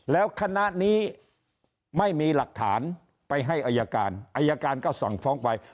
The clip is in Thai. แล้วคณะนี้ไม่มีหลักฐานไปให้อายการอายการก็สั่งฟ้องไป